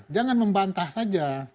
jangan membantah saja